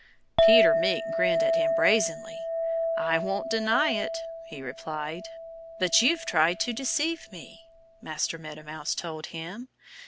Peter Mink grinned at him brazenly. "I won't deny it," he replied. "But you tried to deceive me," Master Meadow Mouse told him.